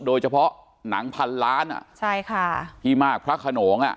โดยเฉพาะหนังพันล้านพี่มากพระขนง